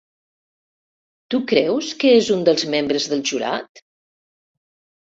Tu creus que és un dels membres del jurat?